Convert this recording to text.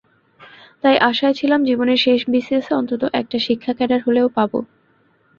তাই আশায় ছিলাম, জীবনের শেষ বিসিএসে অন্তত একটা শিক্ষা ক্যাডার হলেও পাব।